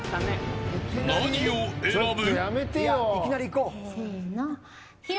何を選ぶ。